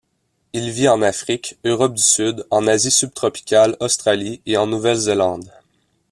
Il vit en Afrique, Europe du Sud, en Asie subtropicale, Australie et en Nouvelle-Zélande.